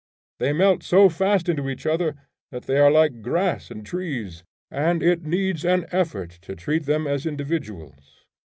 They melt so fast into each other that they are like grass and trees, and it needs an effort to treat them as individuals.